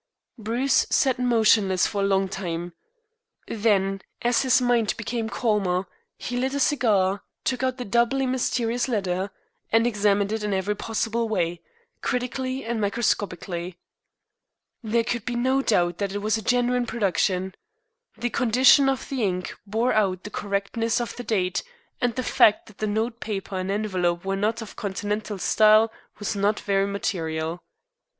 Bruce sat motionless for a long time. Then, as his mind became calmer, he lit a cigar, took out the doubly mysterious letter, and examined it in every possible way, critically and microscopically. There could be no doubt that it was a genuine production. The condition of the ink bore out the correctness of the date, and the fact that the note paper and envelope were not of Continental style was not very material.